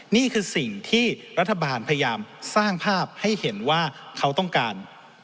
นี่คือสิ่งที่รัฐบาลพยายามสร้างภาพให้เห็นว่าเขาต้องการ